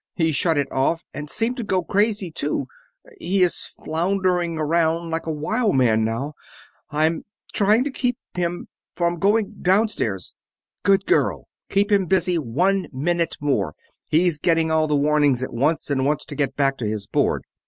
He shut it off ... and seemed to go crazy too ... he is floundering around like a wild man now ... I'm trying to keep ... him from ... going downstairs." "Good girl keep him busy one minute more he's getting all the warnings at once and wants to get back to his board.